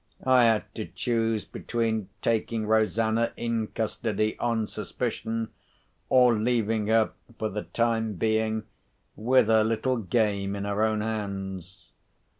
I had to choose between taking Rosanna in custody on suspicion, or leaving her, for the time being, with her little game in her own hands.